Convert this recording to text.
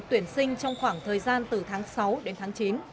tuyển sinh trong khoảng thời gian từ tháng sáu đến tháng chín